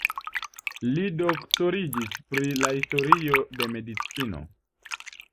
Li doktoriĝis pri la historio de medicino.